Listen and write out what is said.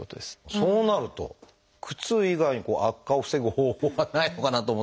そうなると靴以外に悪化を防ぐ方法はないのかなと思ったりしますが。